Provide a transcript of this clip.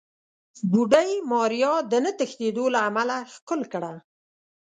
بوډۍ ماريا د نه تښتېدو له امله ښکل کړه.